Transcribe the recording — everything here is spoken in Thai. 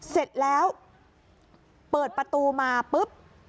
เสร็จแล้วเปิดประตูมาปุ๊บ